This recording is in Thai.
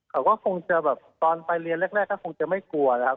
เขาก็คงจะแบบตอนไปเรียนแรกก็คงจะไม่กลัวนะครับ